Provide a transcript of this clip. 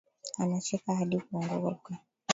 Anacheka hadi kuangauka